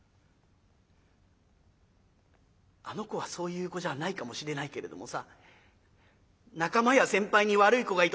「あの子はそういう子じゃないかもしれないけれどもさ仲間や先輩に悪い子がいて」。